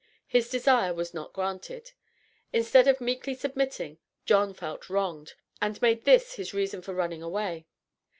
His desire was not granted. Instead of meekly submitting, John felt wronged, and made this his reason for running away.